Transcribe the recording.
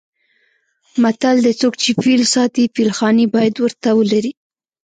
متل دی: څوک چې فیل ساتي فیل خانې باید ورته ولري.